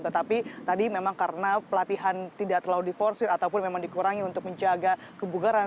tetapi tadi memang karena pelatihan tidak terlalu diforsir ataupun memang dikurangi untuk menjaga kebugaran